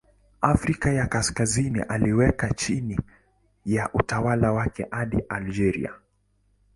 Afrika ya Kaskazini aliweka chini ya utawala wake hadi Algeria.